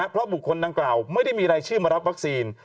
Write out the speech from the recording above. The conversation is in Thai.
เพราะบุคคลดังกล่าวไม่ได้มีรายชื่อมารับวัคซีน